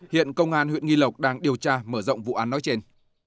hiện công an huyện nghi lộc đang điều tra mở rộng vụ án nói trên